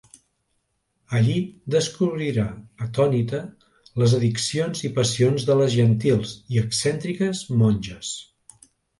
Allí descobrirà atònita les addiccions i passions de les gentils i excèntriques monges.